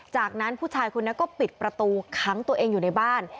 จากนั้นผู้ชายคนนี้ก็ปิดประตูขังตัวเองอยู่ในบ้าน